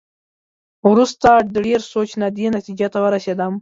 وروسته د ډېر سوچ نه دې نتېجې ته ورسېدم.